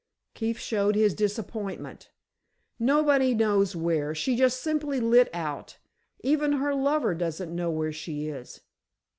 Keefe showed his disappointment. "Nobody knows where. She just simply lit out. Even her lover doesn't know where she is."